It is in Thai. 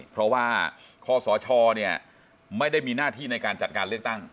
เพราะว่าคศไม่ได้มีหน้าที่ในการจัดการเลือกตั้ง